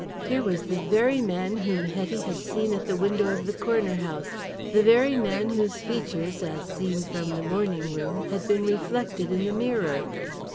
Here was the very man whom Hetty had seen at the window of the corner house the very man whose features, as seen from the morning room, had been reflected in the mirror.